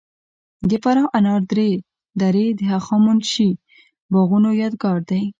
د فراه انار درې د هخامنشي باغونو یادګار دی